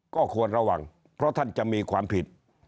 ก็ควรระวังเพราะท่านจะมีความผิด